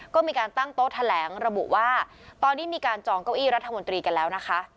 ก็มีการตั้งโต๊ะแถลงระบุว่าตอนนี้มีการจองเก้าอี้รัฐมนตรีกันแล้วนะคะ